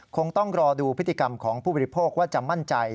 คงต้องรอดูพฤติกรรมของผู้บริโภคว่าจะมั่นใจ